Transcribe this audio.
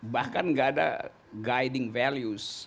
bahkan gak ada guiding values